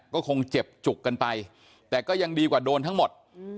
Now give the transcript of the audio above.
ก็คงเจ็บจุกกันไปแต่ก็ยังดีกว่าโดนทั้งหมด